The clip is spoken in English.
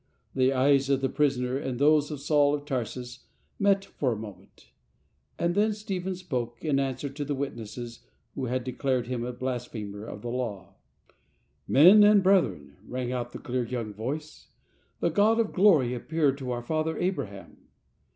The eyes of the prisoner and those of Saul of Tarsus met for a moment, and then Stephen spoke, in answer to the witnesses who had declared him a blasphemer of the Law. I "Men and brethren/' rang out the clear I young voice, " the God of glory appeared to our Father Abraham."